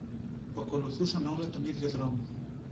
που ακολουθούσαν όλα τον ίδιο δρόμο